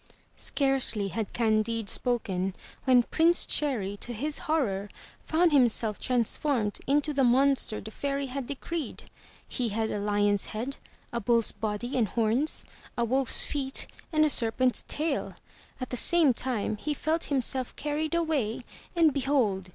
Scarcely had Candide spoken when Prince Cherry, to his horror, found himself transformed into the monster the fairy had decreed. He had a lion*s head, a bulFs body and horns, a wolf's feet and a serpent's tail. At the same time, he felt him self carried away, and behold!